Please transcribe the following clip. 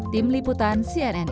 tim liputan cnn intermedia